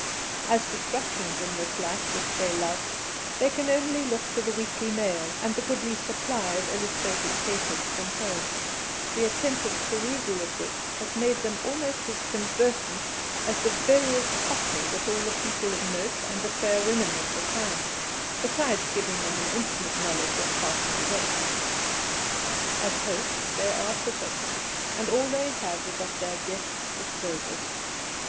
As distractions in this life which they love, they can only look to the weekly mail and the goodly supply of illustrated papers from home, the attentive perusal of which has made them almost as conversant as the veriest Cockney with all the people of note and the fair women of the time, besides giving them an intimate knowledge of passing events. As hosts they are perfection, and all they have is at their guests' disposal.